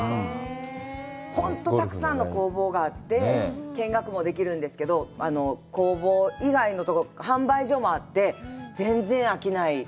本当にたくさんの工房があって、見学もできるんですけど、工房以外のところ、販売所もあって、全然飽きない。